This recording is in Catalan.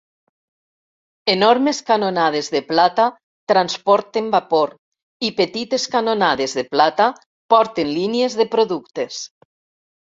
Enormes canonades de plata transporten vapor i petites canonades de plata porten línies de productes.